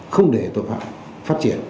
không để tội phạm phát triển